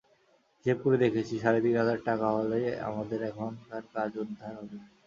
হিসেব করে দেখেছি, সাড়ে তিন হাজার টাকা হলেই আমাদের এখনকার কাজ উদ্ধার হবে।